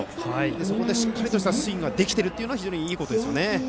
そこでしっかりとしたスイングができているのは非常にいいことですよね。